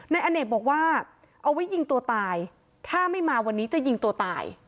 นายอเนกบอกว่าเอาไว้ยิงตัวตายถ้าไม่มาวันนี้จะยิงตัวตาย